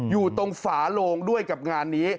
อยู่ตรงฝาโลงด้วยกับงานนี้